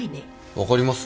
分かります？